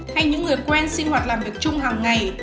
hay những người quen sinh hoạt làm việc chung hàng ngày